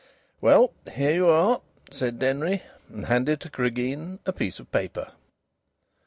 "Well, here you are," said Denry, and handed to Cregeen a piece of paper.